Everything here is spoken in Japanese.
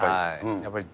やっぱり。